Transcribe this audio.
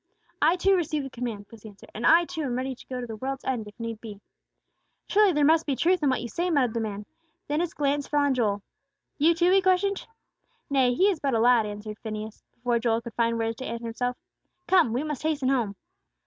"I, too, received the command," was the answer, "and I, too, am ready to go to the world's end, if need be!" "Surely there must be truth in what you say," muttered the man. Then his glance fell on Joel. "You, too?" he questioned. "Nay, he is but a lad," answered Phineas, before Joel could find words to answer him. "Come! we must hasten home."